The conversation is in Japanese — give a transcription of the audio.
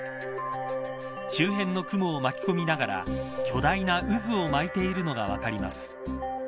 周辺の雲を巻き込みながら巨大な渦を巻いているのが分かります。